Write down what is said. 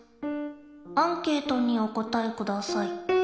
アンケートにおこたえください。